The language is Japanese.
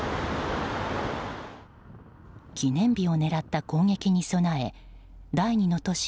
記念日を狙った攻撃に備え第２の都市